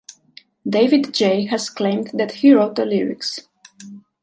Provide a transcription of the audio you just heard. David J has claimed that he wrote the lyrics.